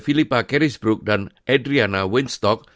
philippa kerisbrook dan adriana winstock